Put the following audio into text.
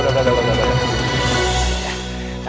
enggak enggak ya